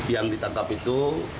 yang ditangkap itu